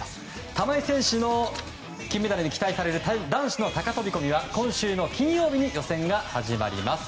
玉井選手の金メダルが期待される男子の高飛込は今週の金曜日に予選が始まります。